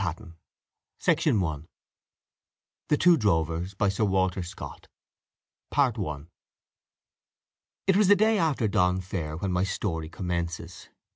By George Borrow THE TWO DROVERS By SIR WALTER SCOTT CHAPTER I It was the day after Donne Fair when my story commences.